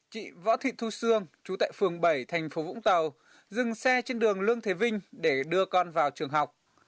chị võ thị thu sương chú tại phường bảy thành phố vũng tàu dừng xe trên đường lương thế vinh để đưa con vào trường học